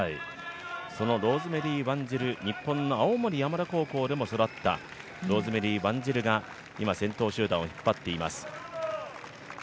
そのローズメリー・ワンジル、日本の青森山田高校でも育ったローズメリー・ワンジルが、今、先頭集団を引っ張っています。